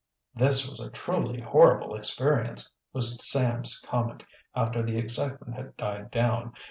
"This was a truly horrible experience," was Sam's comment, after the excitement had died down.